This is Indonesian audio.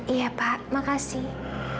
iya pak makasih